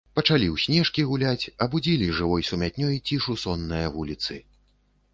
Пачалі ў снежкі гуляць, абудзілі жывой сумятнёй цішу соннае вуліцы.